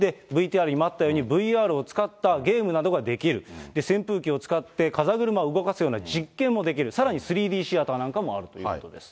ＶＴＲにもあったように、ＶＲを使ったゲームなどができる、扇風機を使って風車を動かすような実験もできる、さらに３Ｄシアターなんかもあるということです。